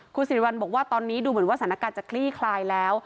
คุณสิริวัลบอกว่าตอนนี้ดูเหมือนว่าสถานการณ์จะคลี่คลายแล้ว